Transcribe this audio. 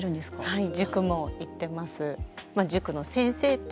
はい。